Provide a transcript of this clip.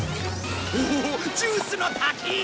おおっジュースの滝！